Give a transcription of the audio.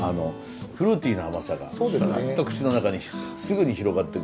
フルーティーな甘さがすっと口の中にすぐに広がってくる。